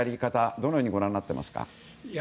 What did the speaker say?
どのようにご覧になっていますか。